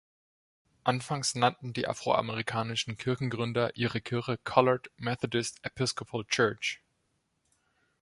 Anfangs nannten die afroamerikanischen Kirchengründer ihre Kirche "Colored Methodist Episcopal Church".